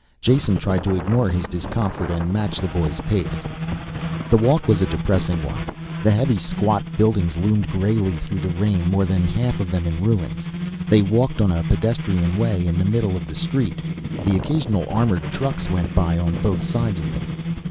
Jason tried to ignore his discomfort and match the boy's pace. The walk was a depressing one. The heavy, squat buildings loomed grayly through the rain, more than half of them in ruins. They walked on a pedestrian way in the middle of the street. The occasional armored trucks went by on both sides of them.